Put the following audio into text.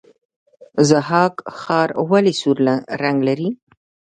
ضحاک ښار ولې سور رنګ لري؟